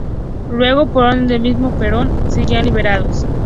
Luego, por orden del mismo Perón, serían liberados.